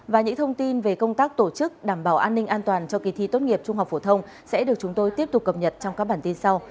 và những thông tin về công tác tổ chức đảm bảo an ninh an toàn cho kỳ thi tốt nghiệp trung học phổ thông sẽ được chúng tôi tiếp tục cập nhật trong các bản tin sau